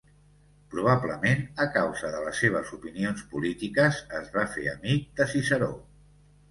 Probablement a causa de les seves opinions polítiques, es va fer amic de Ciceró.